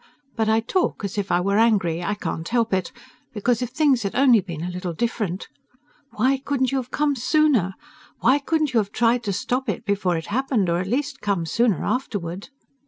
But I talk as if I were angry. I can't help it, because if things had only been a little different ... "Why couldn't you have come sooner? Why couldn't you have tried to stop it before it happened, or at least come sooner, afterward...?"